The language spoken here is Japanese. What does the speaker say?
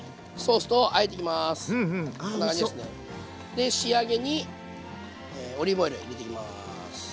で仕上げにオリーブオイル入れていきます。